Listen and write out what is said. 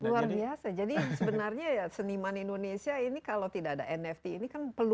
luar biasa jadi sebenarnya ya seniman indonesia ini kalau tidak ada nft ini kan perlu